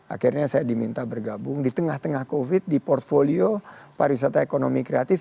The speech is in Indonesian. akhirnya saya diminta bergabung di tengah tengah covid di portfolio pariwisata ekonomi kreatif